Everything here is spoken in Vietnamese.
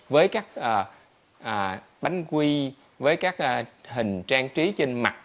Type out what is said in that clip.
với các bánh quy với các hình trang trí trên mặt